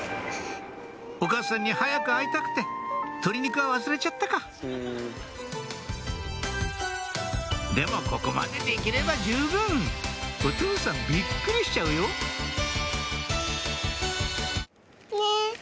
お母さんに早く会いたくて鶏肉は忘れちゃったかでもここまでできれば十分お父さんビックリしちゃうよねぇ。